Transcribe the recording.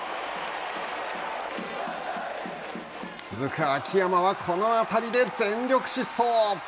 続く秋山はこの当たりで全力疾走。